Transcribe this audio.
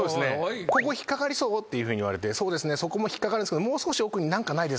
「ここ引っ掛かりそう？」っていうふうに言われて「そこも引っ掛かるんですけどもう少し奥に何かないですか？」